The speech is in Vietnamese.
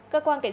cơ quan kế hoạch